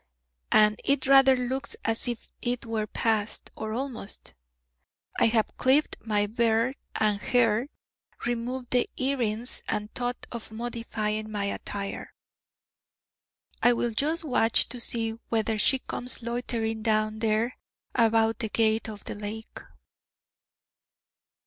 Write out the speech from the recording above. And it rather looks as if it were past or almost. I have clipped my beard and hair, removed the earrings, and thought of modifying my attire. I will just watch to see whether she comes loitering down there about the gate of the lake.